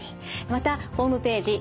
またホームページ